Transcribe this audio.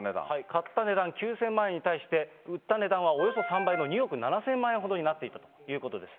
買った値段、９０００万円に対して売った値段はおよそ３倍の２億７０００万円ほどになっていたということです。